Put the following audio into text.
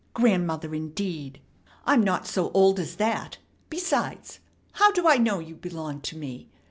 Grandmother, indeed! I'm not so old as that. Besides, how do I know you belong to me?